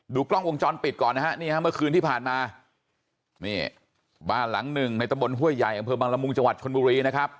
กล้องวงจรปิดก่อนนะฮะนี่ฮะเมื่อคืนที่ผ่านมานี่บ้านหลังหนึ่งในตะบนห้วยใหญ่อำเภอบังละมุงจังหวัดชนบุรีนะครับ